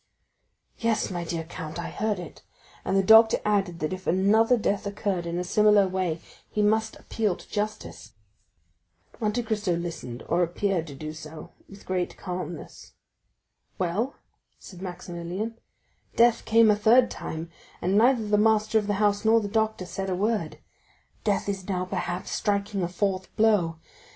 "Yes, my dear count, I heard it; and the doctor added that if another death occurred in a similar way he must appeal to justice." Monte Cristo listened, or appeared to do so, with the greatest calmness. "Well," said Maximilian, "death came a third time, and neither the master of the house nor the doctor said a word. Death is now, perhaps, striking a fourth blow.